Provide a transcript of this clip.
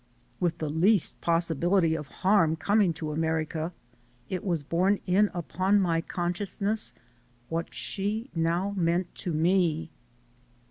With the least possibility of harm coming to Amer ica, it was borne in upon my consciousness what She now meant to me.